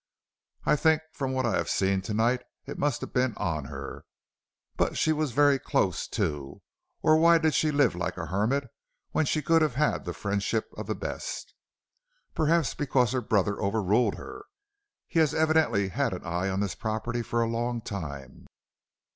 I think from what I have seen to night it must have been on her, but she was very close too, or why did she live like a hermit when she could have had the friendship of the best?' "'Perhaps because her brother overruled her; he has evidently had an eye on this property for a long time.'